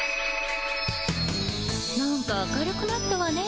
なんか明るくなったわね